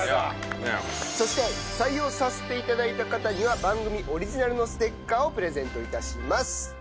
そして採用させて頂いた方には番組オリジナルのステッカーをプレゼント致します。